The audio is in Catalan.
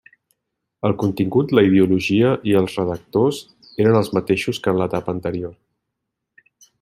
El contingut, la ideologia i els redactors eren els mateixos que en l’etapa anterior.